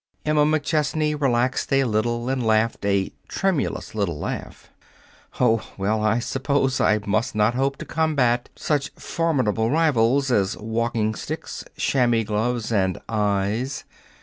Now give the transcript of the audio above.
Emma McChesney relaxed a little and laughed a tremulous little laugh. "Oh, well, I suppose I must not hope to combat such formidable rivals as walking sticks, chamois gloves, and EYES.